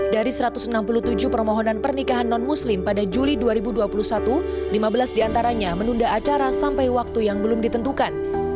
dari satu ratus enam puluh tujuh permohonan pernikahan non muslim pada juli dua ribu dua puluh satu lima belas diantaranya menunda acara sampai waktu yang belum ditentukan